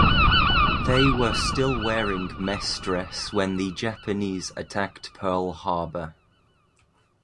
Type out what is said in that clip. They were still wearing mess dress when the Japanese attacked Pearl Harbor.